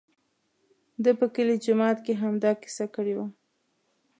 ده په کلي جومات کې همدا کیسه کړې وه.